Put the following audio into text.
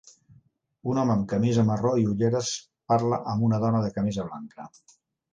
Un home amb camisa marró i ulleres parla amb una dona de camisa blanca.